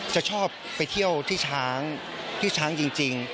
จะชอบไปเที่ยวที่ช้างที่ช้างจริง